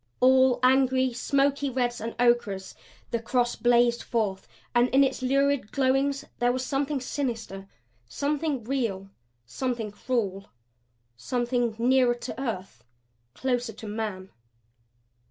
All angry, smoky reds and ochres the cross blazed forth and in its lurid glowings was something sinister, something real, something cruel, something nearer to earth, closer to man.